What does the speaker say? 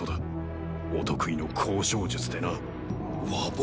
お得意の交渉術でな。